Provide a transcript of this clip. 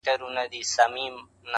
داده ميني ښار وچاته څه وركوي.